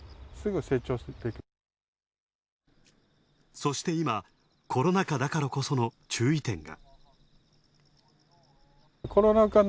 そして今、コロナ禍だからこその注意点が。